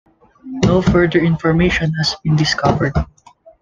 No further information has been discovered.